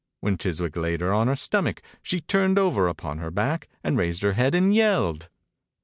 When Chiswick laid her on her stomach she turned over upon her back and raised her head and yelled.